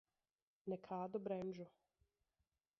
Nekādu bremžu.